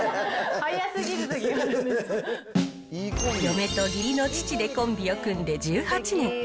はい、嫁と義理の父でコンビを組んで１８年。